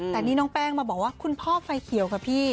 แต่นี่น้องแป้งมาบอกว่าคุณพ่อไฟเขียวค่ะพี่